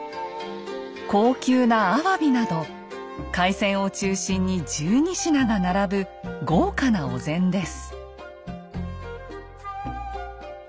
高級なアワビなど海鮮を中心に１２品が並ぶ豪華なお膳です。